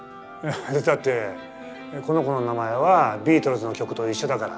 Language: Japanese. だってこの子の名前はビートルズの曲と一緒だから。